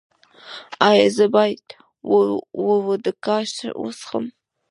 ایا زه باید وودکا وڅښم؟